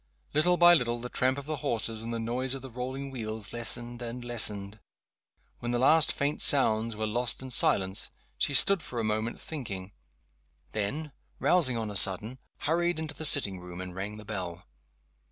Little by little, the tramp of the horses and the noise of the rolling wheels lessened and lessened. When the last faint sounds were lost in silence she stood for a moment thinking then, rousing on a sudden, hurried into the sitting room, and rang the bell.